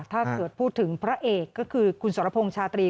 ถ้าเกิดพูดถึงพระเอกก็คือคุณสรพงษ์ชาตรี